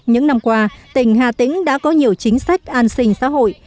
những năm qua tỉnh hà tĩnh đã có nhiều chính sách an sinh xã hội